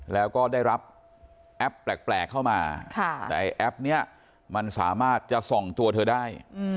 แล้วก็ได้รับแอปแปลกเข้ามาแต่ไอ้แอปนี้มันสามารถจะส่องตัวเธอได้